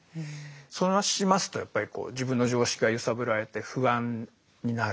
そうしますとやっぱり自分の常識が揺さぶられて不安になる。